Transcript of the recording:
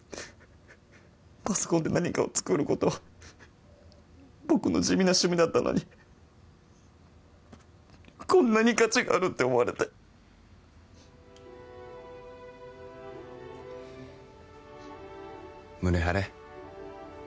パソコンで何かを作ることは僕の地味な趣味だったのにこんなに価値があるって思われて胸張れ